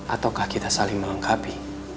ataukah kita saling melengkapi